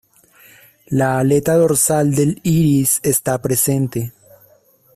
La aleta dorsal del iris está presente.